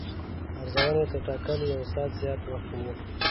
ارزونې تر ټاکلي یو ساعت زیات وخت ونیو.